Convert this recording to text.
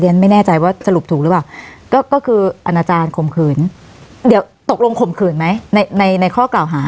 ไม่แน่ใจว่าสรุปถูกหรือเปล่าก็คืออนาจารย์ข่มขืนเดี๋ยวตกลงข่มขืนไหมในในข้อกล่าวหา